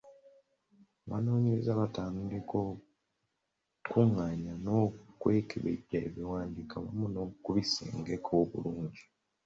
Abanoonyereza baatandika okukungaanya n’okwekebejja ebiwandiiko wamu n’okubisengeka obulungi.